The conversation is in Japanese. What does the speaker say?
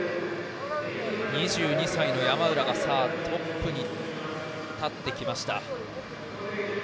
２２歳の山浦がトップに立ってきました。